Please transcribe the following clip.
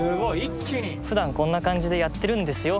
「ふだんこんな感じでやってるんですよ」